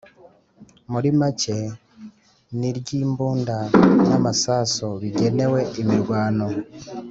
Muri make ni ry’imbunda n,amasasu bigenewe imirwano.